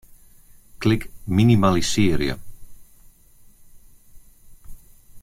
Klik Minimalisearje.